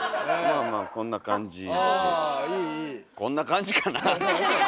こんな感じかなあ？